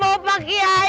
tegaknya bawa pak kiayi